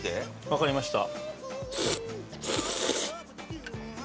わかりました。